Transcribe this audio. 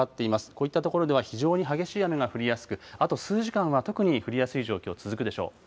こういった所では非常に激しい雨が降りやすく、あと数時間は特に降りやすい状況続くでしょう。